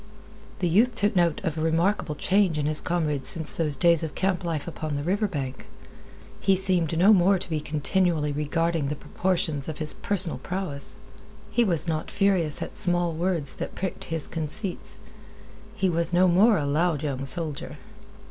The youth took note of a remarkable change in his comrade since those days of camp life upon the river bank. He seemed no more to be continually regarding the proportions of his personal prowess. He was not furious at small words that pricked his conceits. He was no more a loud young soldier.